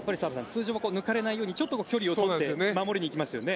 通常は抜かれないようにちょっと距離を取って守りに行きますよね。